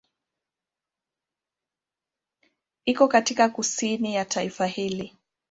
Iko katika kusini ya taifa hili.